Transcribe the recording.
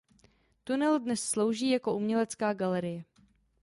Tunel dnes slouží jako umělecká galerie.